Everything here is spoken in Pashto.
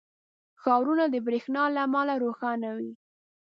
• ښارونه د برېښنا له امله روښانه وي.